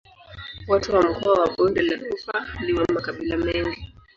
Watu wa mkoa wa Bonde la Ufa ni wa makabila mengi.